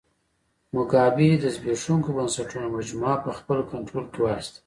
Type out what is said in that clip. موګابي د زبېښونکو بنسټونو مجموعه په خپل کنټرول کې واخیسته.